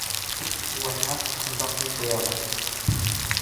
Улайһа... ошонда ҡул ҡуйығыҙ!